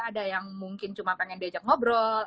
ada yang mungkin cuma pengen diajak ngobrol